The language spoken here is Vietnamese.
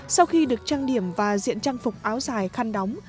sau khi được trang điểm và diện trang phục áo dài khăn đóng